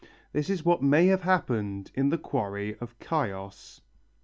This is what may have happened in the quarry of Chios."